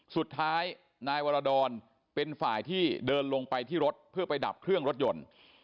สุดท้ายนายวรดรเป็นฝ่ายที่เดินลงไปที่รถเพื่อไปดับเครื่องรถยนต์